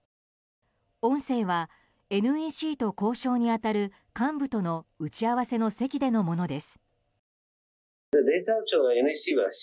音声は、ＮＥＣと交渉に当たる幹部との打ち合わせの席でのものです。